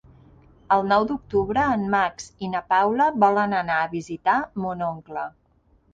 El nou d'octubre en Max i na Paula volen anar a visitar mon oncle.